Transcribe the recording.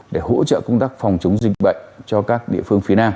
để hỗ trợ công tác phòng chống dịch bệnh cho các địa phương phía nam